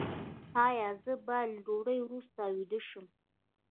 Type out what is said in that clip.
ایا زه باید له ډوډۍ وروسته ویده شم؟